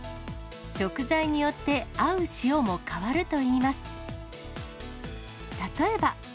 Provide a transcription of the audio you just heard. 食材によって合う塩も変わるといいます。